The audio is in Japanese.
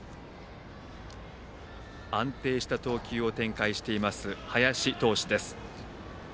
安定した投球を展開しています林投手です。